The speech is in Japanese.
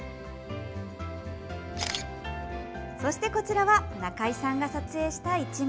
そして、こちらは中井さんが撮影した１枚。